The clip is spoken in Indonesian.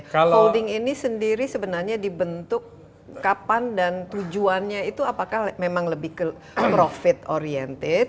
holding ini sendiri sebenarnya dibentuk kapan dan tujuannya itu apakah memang lebih ke profit oriented